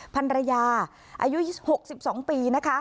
พันรยาอายุ๖๒ปี